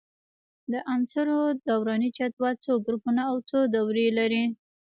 د عنصرونو دوراني جدول څو ګروپونه او څو دورې لري؟